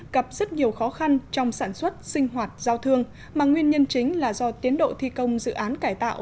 gặp rất nhiều khó khăn trong sản xuất sinh hoạt giao thương mà nguyên nhân chính là do tiến độ thi công dự án cải tạo